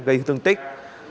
gây thương tích